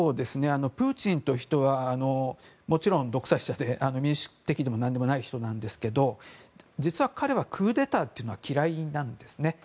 プーチンという人はもちろん独裁者で民主的でも何でもない人なんですけど実は彼はクーデターは嫌いなんですね。